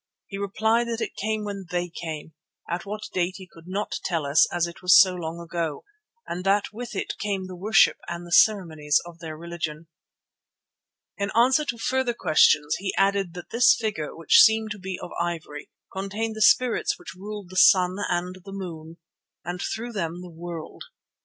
He replied that it came when they came, at what date he could not tell us as it was so long ago, and that with it came the worship and the ceremonies of their religion. In answer to further questions he added that this figure, which seemed to be of ivory, contained the spirits which ruled the sun and the moon, and through them the world.